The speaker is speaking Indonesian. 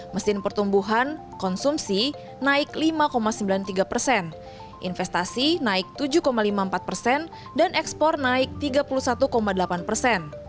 mesin pertumbuhan konsumsi naik lima sembilan puluh tiga persen investasi naik tujuh lima puluh empat persen dan ekspor naik tiga puluh satu delapan persen